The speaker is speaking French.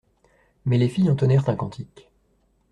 Mais les filles entonnèrent un cantique.